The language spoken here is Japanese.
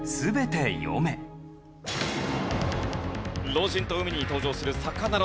『老人と海』に登場する魚の名前。